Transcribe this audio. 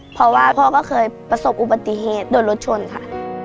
เพราะว่าพ่อก็เคยประสบอุบัติเหตุโดนรถชนค่ะ